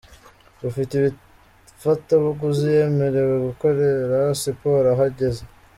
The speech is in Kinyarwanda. Ufite ifatabuguzi yemerewe gukorera siporo aho ageze.